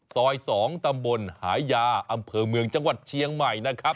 ซอย๒ตำบลหายาอำเภอเมืองจังหวัดเชียงใหม่นะครับ